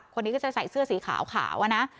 คนนี้ก็จะใส่เสื้อสีขาวอะนะ